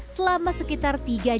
selama sekitar tiga hari